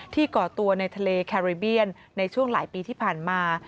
ก่อตัวในทะเลแคริเบียนในช่วงหลายปีที่ผ่านมา